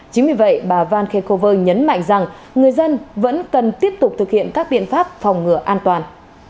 chính vì vậy bà van khekover nhấn mạnh rằng người dân vẫn cần tiếp tục thực hiện các biện pháp phòng ngừa an toàn